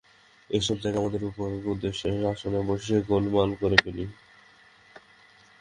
এইসব জায়গায় আমরা উপায়কে উদ্দেশ্যের আসনে বসিয়ে গোলমাল করে ফেলি।